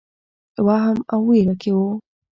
وهم او وېره کې وو.